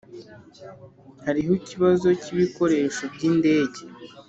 hariho ikibazo cyibikoresho byindege.